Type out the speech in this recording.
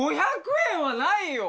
５００円はないよ。